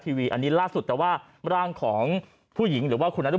ทีวีอันนี้ล่าสุดแต่ว่าร่างของผู้หญิงหรือว่าคุณนรุ